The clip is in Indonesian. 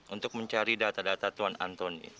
untuk mencari data data tuan antoni